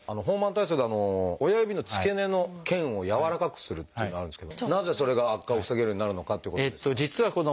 ホーマン体操で親指の付け根の腱をやわらかくするっていうのあるんですけどなぜそれが悪化を防げるようになるのかっていうことですが。